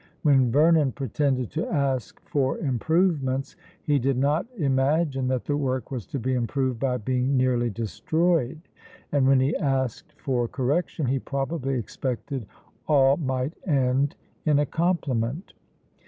When Vernon pretended to ask for improvements, he did not imagine that the work was to be improved by being nearly destroyed; and when he asked for correction, he probably expected all might end in a compliment.